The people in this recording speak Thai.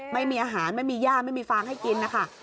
ไม่มีอาหารไม่มีย่าไม่มีฟางให้กินนะคะ